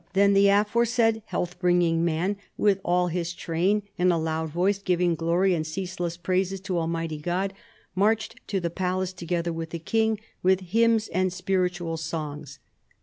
Tlien the aforesaid health bringing man, with all his train, in a loud voice giving glory and ceaseless praises to Almiglity God, marched to the palace, together with the king, with hymns and spiritual songs.